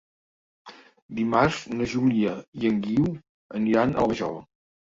Dimarts na Júlia i en Guiu aniran a la Vajol.